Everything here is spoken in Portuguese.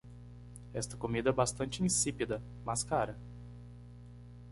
Esta comida é bastante insípida, mas cara.